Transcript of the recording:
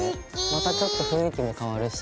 またちょっと雰囲気も変わるし。